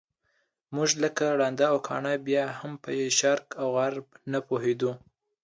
موږ لکه ړانده او کاڼه بیا هم په شرق او غرب نه پوهېدو.